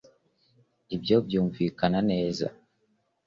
ibyo byumvikana neza.